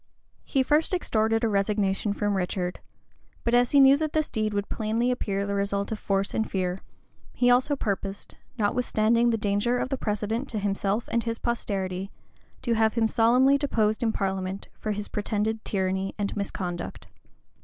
He first extorted a resignation from Richard;[*] but as he knew that this deed would plainly appear the result of force and fear, he also purposed, notwithstanding the danger of the precedent to himself and his posterity, to have him solemnly deposed in parliament for his pretended tyranny and misconduct.